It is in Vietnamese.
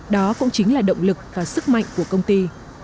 đó cũng chính là động lực và sức mạnh của công ty